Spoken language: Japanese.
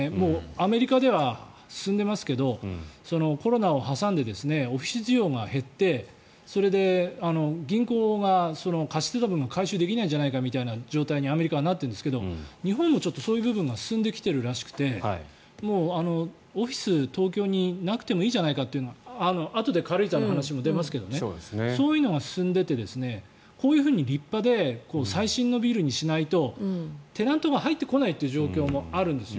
アメリカでは進んでますけどコロナを挟んでオフィス需要が減ってそれで銀行が貸していた部分が回収できないんじゃないかみたいな部分にアメリカはなってるんですけど日本もそういう部分が進んできてるらしくてもうオフィス、東京になくてもいいじゃないかというあとで軽井沢の話も出ますがそういうのが進んでいてこういうふうに立派で最新のビルにしないとテナントが入ってこないという状況があるんですよ。